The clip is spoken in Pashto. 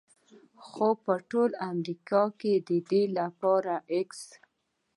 خو په ټول امریکا کې د دوی لپاره x